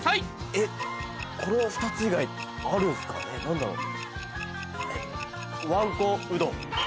えっこの２つ以外あるんですかね何だろう？